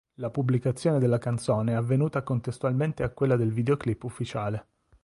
La pubblicazione della canzone è avvenuta contestualmente a quella del videoclip ufficiale.